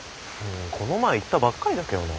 この前行ったばっかりだけどな。